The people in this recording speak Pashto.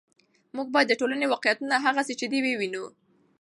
موږ باید د ټولنې واقعیتونه هغسې چې دي ووینو.